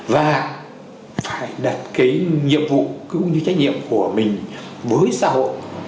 và phải đặt cái nhiệm vụ cũng như trách nhiệm của mình với xã hội